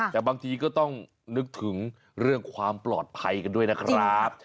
แต่บางทีก็ต้องนึกถึงเรื่องความปลอดภัยกันด้วยนะครับ